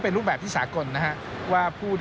เป็นอย่างไรนั้นติดตามจากรายงานของคุณอัญชาฬีฟรีมั่วครับ